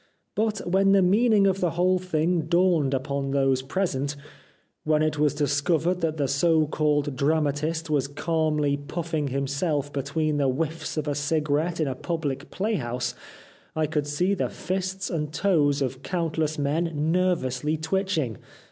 But when the meaning of the whole thing dawned upon those present, when it was discovered that the so called dramatist was calmly puffing himself between the whiffs of a cigarette in a public playhouse I could see the fists and toes of countless men nervously twitch ing.